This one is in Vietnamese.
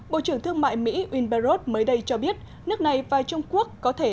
bộ trưởng thương mại mỹ will barron mới đây cho biết nước này và trung quốc có thể